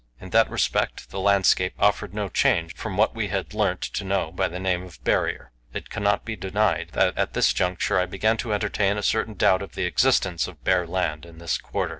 In that respect the landscape offered no change from what we had learnt to know by the name of "Barrier." It cannot be denied that at this juncture I began to entertain a certain doubt of the existence of bare land in this quarter.